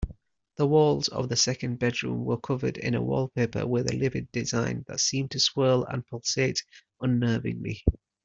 The walls of the second bedroom were covered in a wallpaper with a livid design that seemed to swirl and pulsate unnervingly.